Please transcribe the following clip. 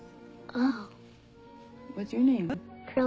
ああ。